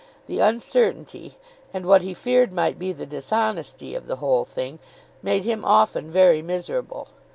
The uncertainty, and what he feared might be the dishonesty, of the whole thing, made him often very miserable.